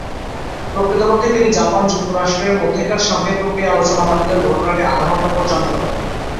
প্রকৃতপক্ষে তিনি জাপান-যুক্তরাস্ট্রের মধ্যেকার শান্তি প্রক্রিয়া আলোচনা বাতিলের ঘটনাটি আধা ঘণ্টা পর জানতে পারেন।